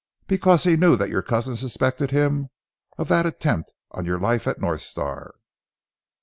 "Because he knew that your cousin suspected him of that attempt on your life at North Star!"